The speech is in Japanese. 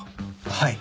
はい。